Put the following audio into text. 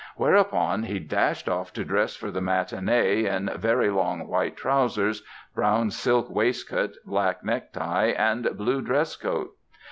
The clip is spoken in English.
Whereupon he dashed off to dress for the matinee in "very long white trousers, brown silk waistcoat, black necktie and blue dress coat".